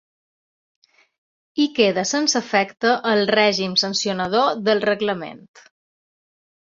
I queda sense efecte el règim sancionador del reglament.